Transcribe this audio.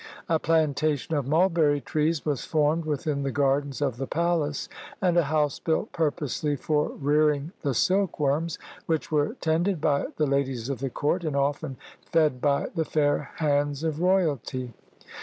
A plantation of mulberry trees was formed within the gardens of the palace, and a house built purposely for rearing the silkworms, which were tended by the ladies of the court and often fed by the fair hands of royalty.